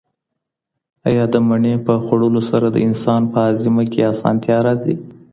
ایا د مڼې په خوړلو سره د انسان په هاضمه کي اسانتیا راځي؟